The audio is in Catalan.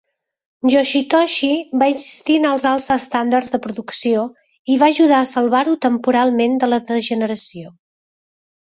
Yoshitoshi va insistir en els alts estàndards de producció, i va ajudar a salvar-ho temporalment de la degeneració.